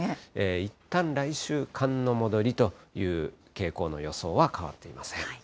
いったん来週、寒の戻りという傾向の予想は変わっていません。